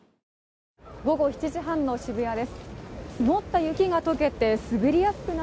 午後７時半の渋谷です。